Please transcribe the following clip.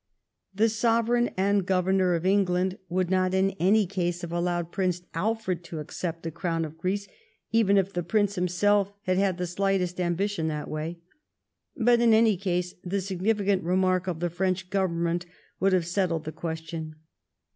The sovereign and government of England would not in any case have allowed Prince Alfred to accept the crown of Greece, even if the Prince himself had had the slightest ambition that way. But in any case the significant remark of the French Government would have settled the ques tion.